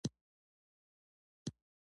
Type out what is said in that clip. هماغومره معنویت کمزوری کېږي.